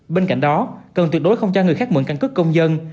bên cạnh đó cần tuyệt đối không cho người khác mượn căn cước công dân